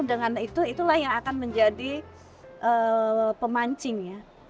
dengan itu itulah yang akan menjadi pemancingnya